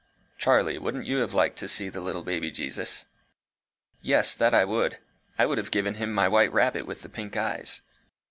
Charlie, wouldn't you have liked to see the little baby Jesus?" "Yes, that I would. I would have given him my white rabbit with the pink eyes."